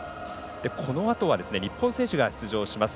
このあとは日本選手が出場します